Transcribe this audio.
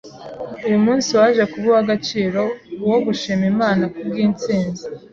uyu munsi waje kuba uwagaciro uwo gushimira Imana kubw’insinzi